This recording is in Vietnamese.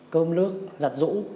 cơm nước giặt rũ